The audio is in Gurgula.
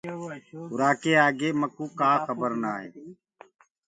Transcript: ارآ ڪي آگي مڪوُ ڪآ کبر ڪونآ هي۔